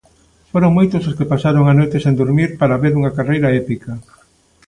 Foron moitos os que pasaron a noite sen durmir para ver unha carreira épica.